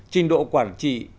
trình độ quản trị